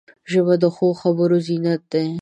ژبه د ښو خبرو زینت ده